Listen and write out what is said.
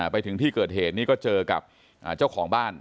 ไปถึงที่เกิดเหตุนี้ก็เจอกับเจ้าของบ้าน